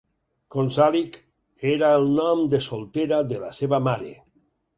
Konsalik era el nom de soltera de la seva mare.